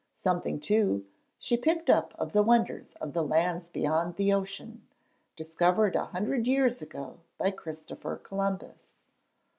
Something, too, she picked up of the wonders of the lands beyond the ocean, discovered a hundred years ago by Christopher Columbus.